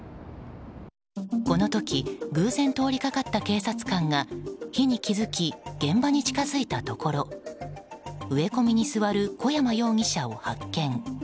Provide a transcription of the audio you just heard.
この時、偶然通りかかった警察官が火に気づき現場に近づいたところ植え込みに座る小山容疑者を発見。